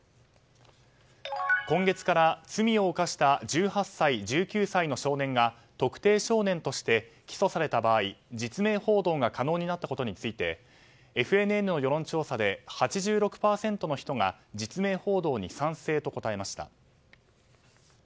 今月から、罪を犯した１８歳・１９歳の少年が特定少年として起訴された場合実名報道が可能になったことについてＦＮＮの世論調査で８６％の人が実名報道に賛成と答えました。